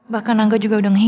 bahkan angga juga udah ngehias